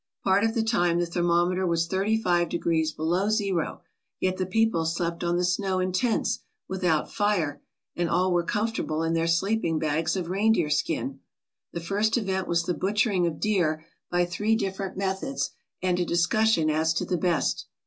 Part of the time the thermometer was thirty five degrees below zero, yet the people slept on the snow in tents, without fire, and all were comfortable in their sleeping bags of reindeer skin. The first event was the butchering of deer by three different methods and a discussion as to the best.